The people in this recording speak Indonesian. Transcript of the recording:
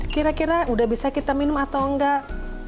kira kira udah bisa kita minum atau enggak